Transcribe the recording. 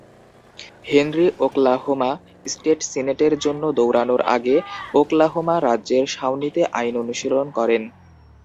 Henry Oklahoma state সিনেটের জন্য দৌড়ানোর আগে ওকলাহোমা রাজ্যের শাউনিতে আইন অনুশীলন করেন।